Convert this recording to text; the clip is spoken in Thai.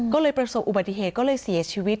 ก็เลยประสบอุบัติเหตุก็เลยเสียชีวิต